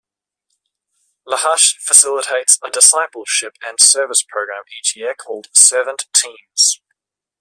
Lahash facilitates a discipleship and service program each year called Servant Teams.